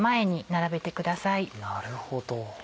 なるほど。